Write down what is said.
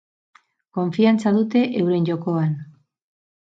Konfiantza dute euren jokoan.